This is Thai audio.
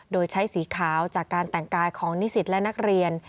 โดยใช้สีขาวจากการแต่งกายของนิสิตและนักเรียน